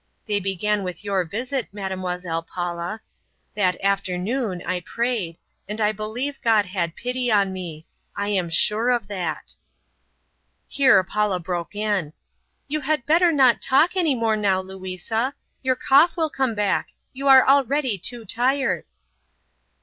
They began with your visit, Mademoiselle Paula. That afternoon I prayed, and I believe God had pity on me. I am sure of that." Here Paula broke in: "You had better not talk any more now, Louisa. Your cough will come back you are already too tired."